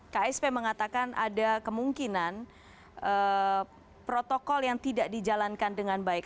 ksp mengatakan ada kemungkinan protokol yang tidak dijalankan dengan baik